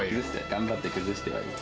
頑張って崩して食べて。